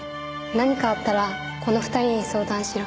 「何かあったらこの２人に相談しろ」